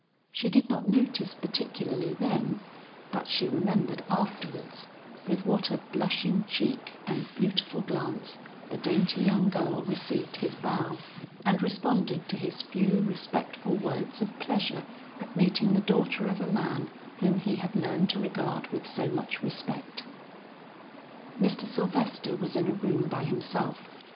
She did not notice particularly then, but she remembered afterwards, with what a blushing cheek and beautiful glance the dainty young girl received his bow, and responded to his few respectful words of pleasure at meeting the daughter of a man whom he had learned to regard with so much respect. Mr. Sylvester was in a room by himself.